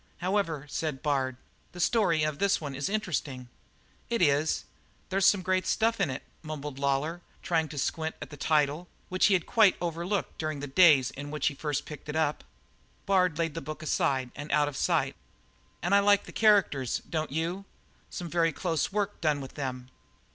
"However," said Bard, "the story of this is interesting." "It is. There's some great stuff in it," mumbled Lawlor, trying to squint at the title, which he had quite overlooked during the daze in which he first picked it up. Bard laid the book aside and out of sight. "And I like the characters, don't you? Some very close work done with them."